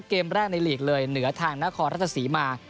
เกมแรกในลีกเลยเหนือทางนครราชศรีมา